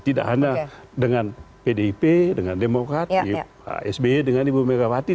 tidak hanya dengan pdip dengan demokrat pak sby dengan ibu megawati